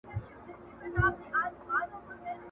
بشپړه سياسي خپلواکي د هر ويښ ملت لويه هيله ده.